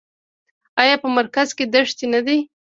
آیا په مرکز کې دښتې نه دي؟